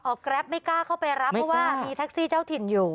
แกรปไม่กล้าเข้าไปรับเพราะว่ามีแท็กซี่เจ้าถิ่นอยู่